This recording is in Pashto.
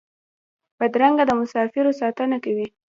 بدرګه د مسافرو ساتنه کوي.